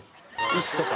石とか。